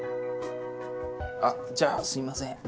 じゃあすいません。